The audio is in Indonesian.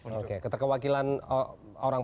oke ketika wakilan orang